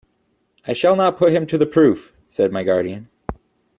"I shall not put him to the proof," said my guardian.